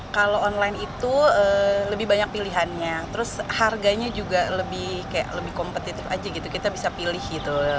kalau online itu lebih banyak pilihannya terus harganya juga lebih kayak lebih kompetitif aja gitu kita bisa pilih gitu